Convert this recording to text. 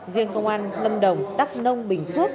riêng công an lâm đồng đắc nông bình phước